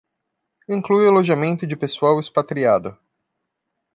Inclui alojamento de pessoal expatriado.